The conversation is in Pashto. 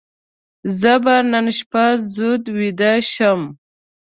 زه به نن شپه زود ویده شم.